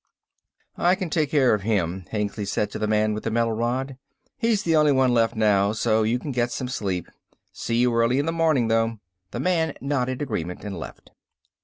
"I can take care of him," Hengly said to the man with the metal rod. "He's the only one left now, so you can get some sleep. See you early in the morning though." The man nodded agreement and left.